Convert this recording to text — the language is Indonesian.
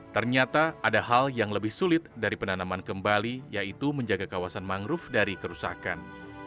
ternyata ada hal yang lebih sulit dari penanaman kembali yaitu menjaga kawasan mangrove dari kerusakan